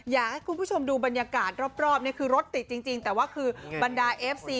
อยากให้คุณผู้ชมดูบรรยากาศรอบนี่คือรถติดจริงแต่ว่าคือบรรดาเอฟซี